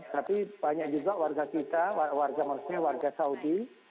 tapi banyak juga warga kita warga maksudnya warga saudi